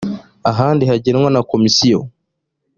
ahandi hagenwa na komisiyo